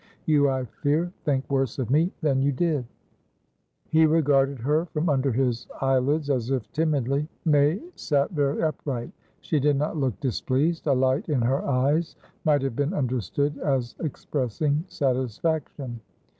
You, I fear, think worse of me than you did." He regarded her from under his eyelids, as if timidly. May sat very upright. She did not look displeased; a light in her eyes might have been understood as expressing satisfaction.